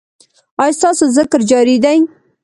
ایا ستاسو ذکر جاری دی؟